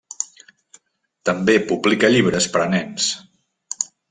També publica llibres per a nens.